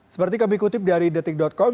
seperti kami kutip dari detik com